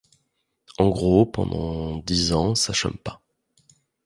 En gros, pendant dix ans, ça chôme pas.